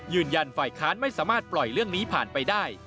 ยืนยันไฟคลาญไม่สามารถปล่อยเรื่องนี้ผ่านไปได้